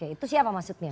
itu siapa maksudnya